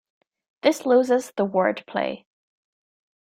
This loses the wordplay.